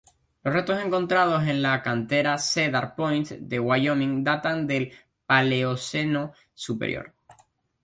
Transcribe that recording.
Los restos encontrados en la Cantera Cedar Point de Wyoming datan del Paleoceno Superior.